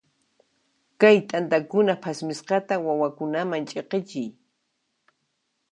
Kay t'antakuna phasmisqata wawakunaman ch'iqichiy.